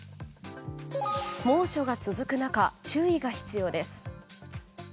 猛暑が続く中注意が必要です。